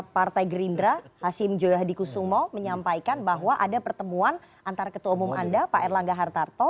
partai gerindra hashim joyo hadikusumo menyampaikan bahwa ada pertemuan antara ketua umum anda pak erlangga hartarto